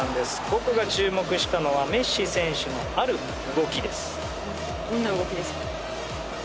僕が注目したのはメッシ選手のどんな動きですか？